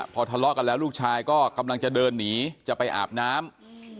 พอทะเลาะกันแล้วลูกชายก็กำลังจะเดินหนีจะไปอาบน้ำ